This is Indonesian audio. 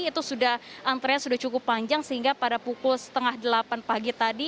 itu sudah antrean sudah cukup panjang sehingga pada pukul setengah delapan pagi tadi